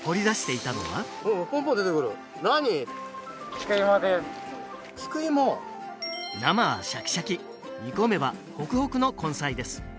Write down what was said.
キクイモ生はシャキシャキ煮込めばホクホクの根菜です